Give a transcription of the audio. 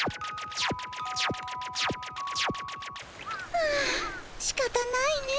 はあしかたないね。